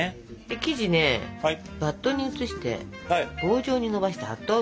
で生地ねバットに移して棒状にのばして８等分。